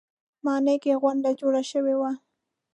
ماڼۍ کې غونډه جوړه شوې وه.